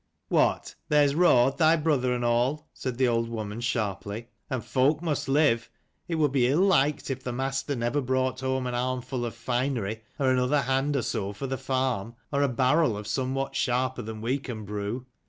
" What, there's Raud thy brother and all," said the old woman sharply. " And folk must live. It would be ill liked if the master never brought home an armful of finery, or another hand or so for the farm, or a barrel of somewhat sharper than we can brew."